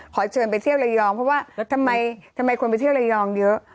ขอเชิญไปเที่ยวระยองเพราะว่าทำไมคนไปเที่ยวระยองเยอะ